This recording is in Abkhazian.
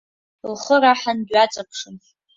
Лхы раҳан дҩаҵаԥшын.